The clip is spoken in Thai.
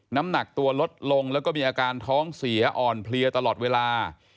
น้ำหนักตัวลดลงแล้วก็มีอาการท้องเสียอ่อนเพลียตลอดเวลา